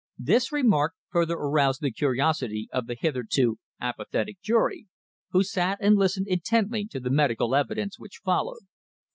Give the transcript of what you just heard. This remark further aroused the curiosity of the hitherto apathetic jury, who sat and listened intently to the medical evidence which followed.